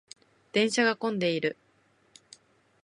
電車が混んでいる。